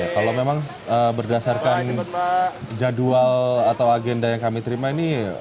kalau memang berdasarkan jadwal atau agenda yang kami terima ini